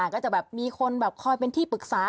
ก็จะแบบมีคนแบบคอยเป็นที่ปรึกษา